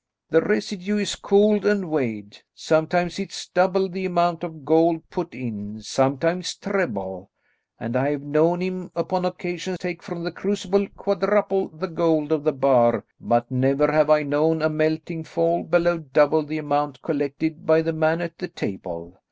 "The residue is cooled and weighed. Sometimes it is double the amount of gold put in, sometimes treble; and I have known him upon occasion take from the crucible quadruple the gold of the bar, but never have I known a melting fall below double the amount collected by the man at the table.